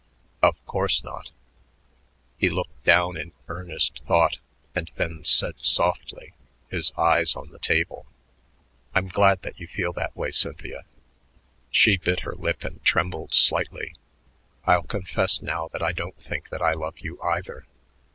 "Of course not." He looked down in earnest thought and then said softly, his eyes on the table, "I'm glad that you feel that way, Cynthia." She bit her lip and trembled slightly. "I'll confess now that I don't think that I love you, either.